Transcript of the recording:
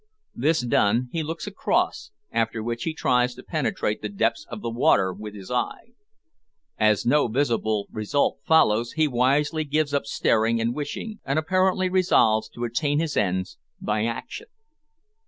This done, he looks across, after which he tries to penetrate the depths of the water with his eye. As no visible result follows, he wisely gives up staring and wishing, and apparently resolves to attain his ends by action.